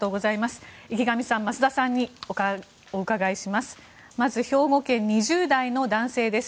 池上さん、増田さんにお伺いします。